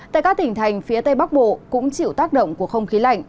tại các tỉnh thành phía tây bắc bộ cũng chịu tác động của không khí lạnh